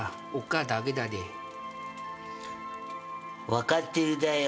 分かってるだよ。